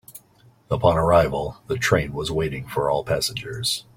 Upon arrival, the train was waiting for all passengers.